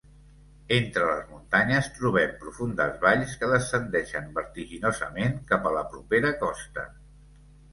Entre les muntanyes trobem profundes valls que descendeixen vertiginosament cap a la propera costa.